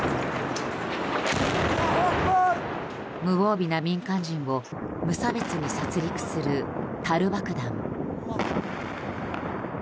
無防備な民間人を無差別に殺戮する、たる爆弾。